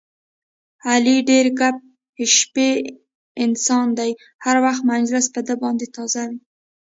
علي ډېر ګپ شپي انسان دی، هر وخت مجلس په ده باندې تازه وي.